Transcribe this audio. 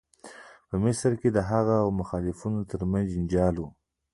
په مصر کې د هغه او مخالفانو تر منځ جنجال و.